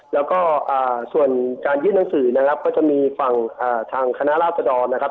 แล้วก็ส่วนการยื่นหนังสือนะครับก็จะมีฝั่งทางคณะราชดรนะครับ